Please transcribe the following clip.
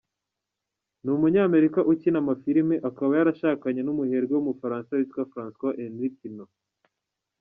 Ni umunyamerika ukina amafilime, akaba yarashakanye n’umuherwe w’umufaransa witwa François Henri Pinault.